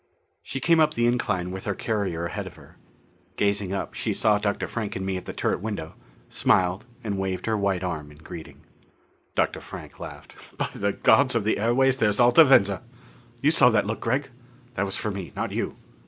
She came up the incline with the carrier ahead of her. Gazing up, she saw Dr. Frank and me at the turret window, smiled and waved her white arm in greeting. Dr. Frank laughed. "By the gods of the airways, there's Alta Venza! You saw that look, Gregg? That was for me, not you."